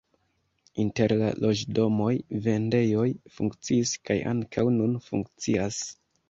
Inter la loĝdomoj vendejoj funkciis kaj ankaŭ nun funkcias.